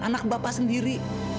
anak bapak sendiri